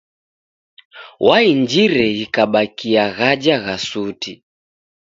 W'ainjire ghikabakia ghaja gha suti.